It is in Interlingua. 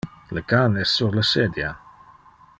Le can es sur le sedia